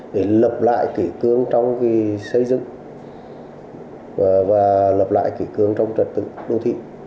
để lập lại kỷ cương trong xây dựng và lập lại kỷ cương trong trật tự đô thị